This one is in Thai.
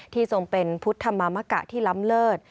ทรงเป็นพุทธธรรมกะที่ล้ำเลิศ